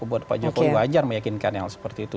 buat pak jokowi wajar meyakinkan hal seperti itu